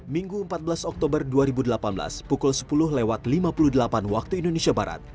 minggu empat belas oktober dua ribu delapan belas pukul sepuluh lewat lima puluh delapan waktu indonesia barat